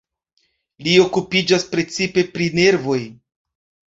Li okupiĝas precipe pri nervoj.